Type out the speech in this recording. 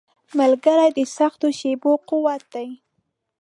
ملګری د سختو شېبو قوت دی.